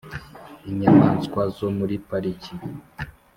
inyamaswa zo muri pariki